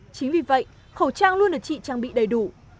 chính vì vậy khẩu trang luôn được chị trang bị đầy đủ